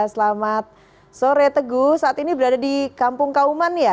selamat sore teguh saat ini berada di kampung kauman ya